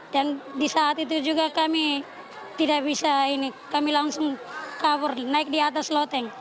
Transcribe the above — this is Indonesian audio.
dan di saat itu juga kami tidak bisa ini kami langsung kabur naik di atas loteng